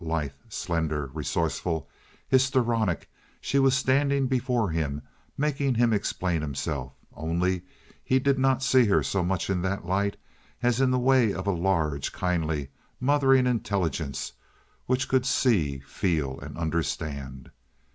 Lithe, slender, resourceful, histrionic, she was standing before him making him explain himself, only he did not see her so much in that light as in the way of a large, kindly, mothering intelligence which could see, feel, and understand.